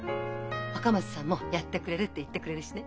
赤松さんもやってくれるって言ってくれるしね。